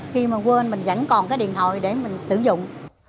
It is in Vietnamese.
khi mà quên mình vẫn còn cái điện thoại để mình sử dụng